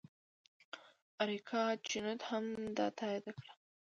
اریکا چینوت هم دا تایید کړه.